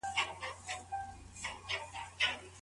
که ښځه پيدا نشي نو درملنه څوک کوي؟